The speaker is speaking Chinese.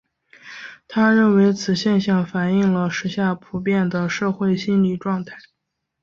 他认为此现象反映了时下普遍的社会心理状态。